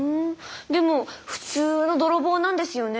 でも普通の泥棒なんですよね？